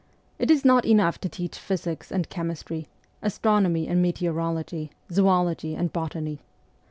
It is not enough to teach physics and chemistry, astronomy and meteorology, zoology and botany.